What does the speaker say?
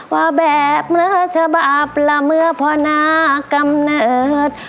ว่าแบบเหลือฉบับละเมื่อพ่อนากำเนิด